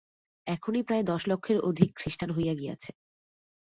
এখনই প্রায় দশ লক্ষের অধিক খ্রীষ্টান হইয়া গিয়াছে।